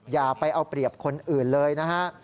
อย่าไปเอาเปรียบคนอื่นเลยนะฮะ